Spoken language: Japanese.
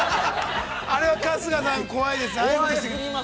◆あれは春日さん、怖いです。